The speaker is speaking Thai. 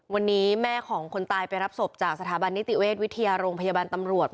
วันนี้แม่ของคนตายไปรับศพจากสถาบันนิติเวชวิทยาโรงพยาบาลตำรวจ